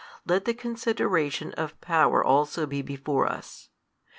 Let the consideration of Power also be before us.